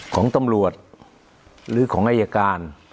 ของตำรวจหรือของอายการ